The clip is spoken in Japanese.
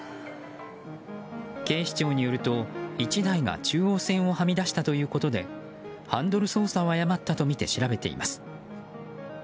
警視庁によると、１台が中央線をはみ出したということでハンドル操作を誤ったとみて調べています。